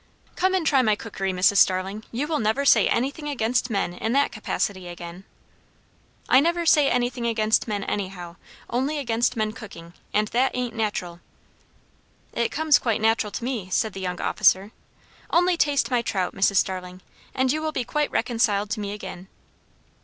"Come and try my cookery, Mrs. Starling; you will never say anything against men in that capacity again." "I never say anything against men anyhow; only against men cooking; and that ain't natural." "It comes quite natural to me," said the young officer. "Only taste my trout, Mrs. Starling, and you will be quite reconciled to me again."